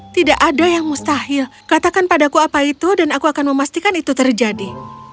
tidak ada yang mustahil katakan padaku apa itu dan aku akan memastikan itu terjadi